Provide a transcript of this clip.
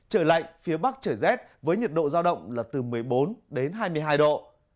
trời lạnh phía bắc trời rét với nhiệt độ giao động là từ một mươi bốn đến hai mươi hai độ